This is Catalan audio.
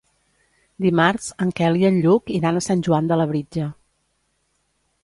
Dimarts en Quel i en Lluc iran a Sant Joan de Labritja.